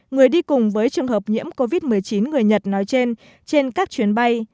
người đi cùng với trường hợp nhiễm covid một mươi chín người nhật nói trên trên các chuyến bay